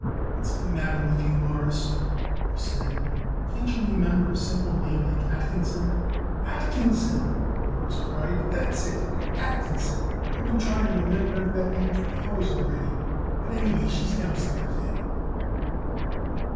"What's the matter with you, Mawruss?" he said. "Can't you remember a simple name like Atkinson?" "Atkinson!" Morris cried. "That's it Atkinson. I've been trying to remember it that name for four hours already. But, anyhow, she's downstairs, Abe."